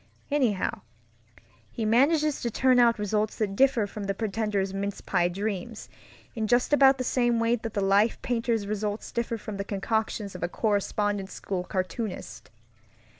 Anyhow, he manages to turn out results that differ from the pretender's mince pie dreams in just about the same way that the life painter's results differ from the concoctions of a correspondence school cartoonist.